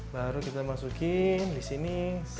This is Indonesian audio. baru kita masukkan disini